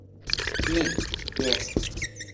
Mi, jes.